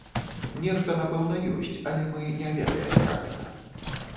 Нешта напэўна ёсць, але мы не ведаем пра гэта.